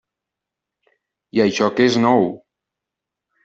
I això que és nou.